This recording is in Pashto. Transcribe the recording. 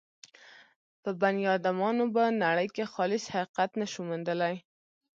په بني ادمانو به نړۍ کې خالص حقیقت نه شو موندلای.